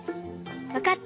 わかった！